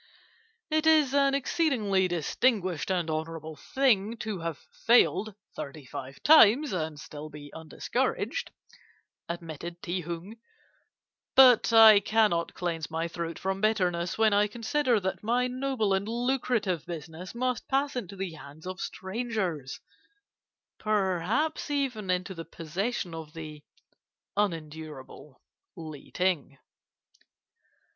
"'It is an exceedingly distinguished and honourable thing to have failed thirty five times, and still to be undiscouraged,' admitted Ti Hung; 'but I cannot cleanse my throat from bitterness when I consider that my noble and lucrative business must pass into the hands of strangers, perhaps even into the possession of the unendurable Li Ting.